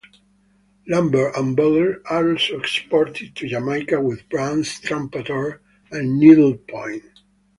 Lambert and Butler also exported to Jamaica with brands Trumpeter and Needle Point.